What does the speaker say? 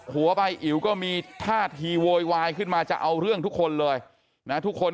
หัวไปอิ๋วก็มีทาธิโวยวายขึ้นมาจะเอาเรื่องทุกคนเลยแล้วทุกคน